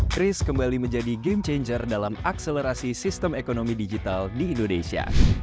chris kembali menjadi game changer dalam akselerasi sistem ekonomi digital di indonesia